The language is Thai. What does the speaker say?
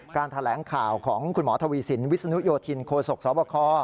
แถลงข่าวของคุณหมอทวีสินวิศนุโยธินโคศกสบค